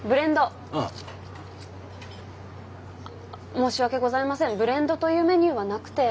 申し訳ございませんブレンドというメニューはなくて。